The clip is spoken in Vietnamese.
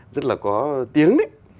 rất là có tiếng